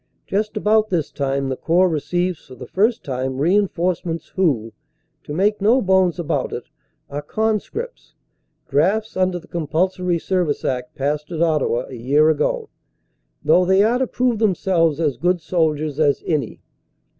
Just about this time the Corps receives for the first time reinforcements who, to make no bones about it, are con scripts, drafts under the compulsory service act passed at Ottawa a year ago, though they are to prove themselves as good soldiers as any.